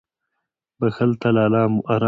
• بښل تل آرام ورکوي.